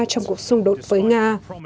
trong cuộc xung đột với nga